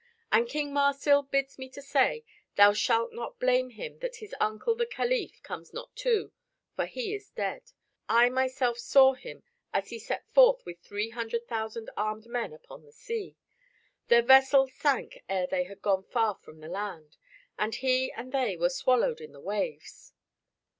And King Marsil bids me say, thou shalt not blame him that his uncle the calif comes not too, for he is dead. I myself saw him as he set forth with three hundred thousand armed men upon the sea. Their vessels sank ere they had gone far from the land, and he and they were swallowed in the waves."